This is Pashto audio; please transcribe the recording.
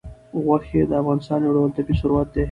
غوښې د افغانستان یو ډول طبعي ثروت دی.